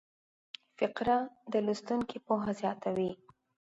فقره د لوستونکي پوهه زیاتوي.